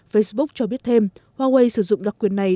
facebook cho biết thêm huawei sử dụng đặc quyền này